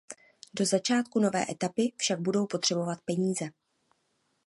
Do začátku nové etapy však budou potřebovat peníze.